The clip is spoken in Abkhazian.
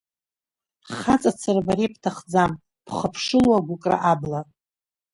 Хаҵацара ба ибҭахӡам, бхыԥшыло агәыкра абла.